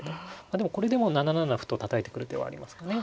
でもこれでも７七歩とたたいてくる手はありますかね。